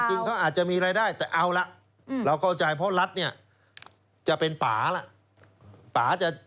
จริงเขาอาจจะมีรายได้แต่เอาล่ะเราเข้าใจเพราะรัฐเนี่ยจะเป็นป่าละ